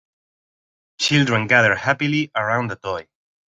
Children gather happily around a toy.